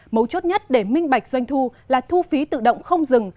mấu chốt nhất để minh bạch doanh thu là thu phí tự động không dừng